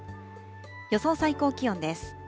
予想最高気温です。